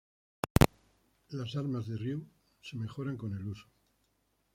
Las armas de Ryu se mejoraran con el uso.